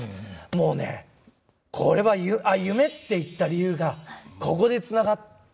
もうねこれは夢って言った理由がここでつながったと思いましたね。